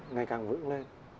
ngày càng vững lên